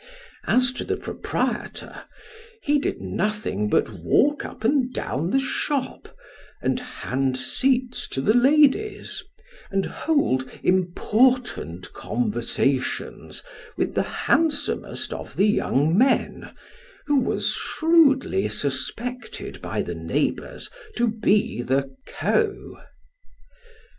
As to the proprietor, he did nothing but walk up and down the shop, and hand seats to the ladies, and hold important conversations with the handsomest of the young men, who was shrewdly suspected by the neighbours to be the " Co."